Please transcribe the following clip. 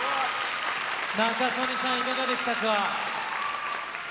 仲宗根さん、いかがでしたか。